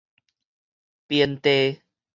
邊地